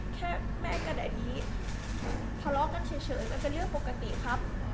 แค่แม่กับอดีตทะเลาะกันเฉยมันเป็นเรื่องปกติครับ